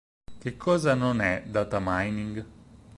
Che cosa "non è" "data mining"?